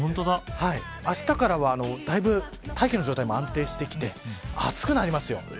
あしたからは、だいぶ大気の状態も安定してきて暑くなりますよ。